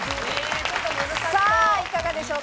いかがでしょうか？